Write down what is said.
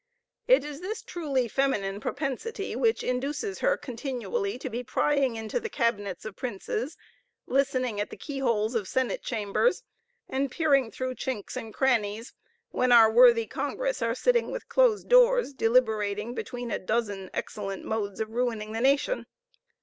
It is this truly feminine propensity which induces her continually to be prying into the cabinets of princes, listening at the key holes of senate chambers, and peering through chinks and crannies, when our worthy congress are sitting with closed doors, deliberating between a dozen excellent modes of ruining the nation.